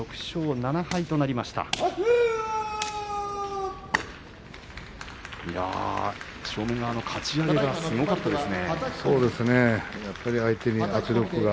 正面側の立ち合いすごかったですね。